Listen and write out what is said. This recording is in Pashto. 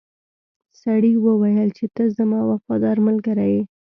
سړي وویل چې ته زما وفادار ملګری یې.